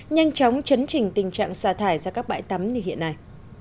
nhanh chóng chấn trình tình trạng xa thải ra các bãi tắm như hiện nay